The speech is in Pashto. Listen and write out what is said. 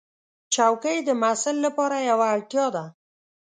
چوکۍ د محصل لپاره یوه اړتیا ده.